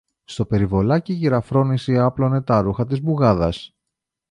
Στο περιβολάκι η κυρα-Φρόνηση άπλωνε τα ρούχα της μπουγάδας